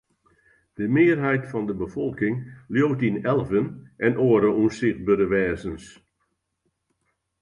De mearheid fan de befolking leaut yn elven en oare ûnsichtbere wêzens.